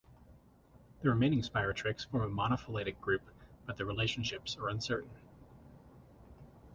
The remaining spirotrichs form a monophyletic group, but their relationships are uncertain.